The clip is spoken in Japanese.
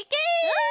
うん！